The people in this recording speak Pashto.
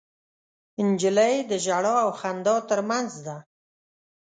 نجلۍ د ژړا او خندا تر منځ ده.